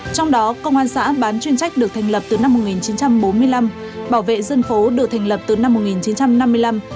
trong đó công an xã bán chuyên trách được thành lập từ năm một nghìn chín trăm bốn mươi năm bảo vệ dân phố được thành lập từ năm một nghìn chín trăm năm mươi năm